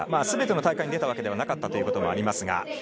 全ての大会に出たわけではなかったということもありますが。